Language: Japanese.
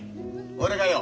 俺がよ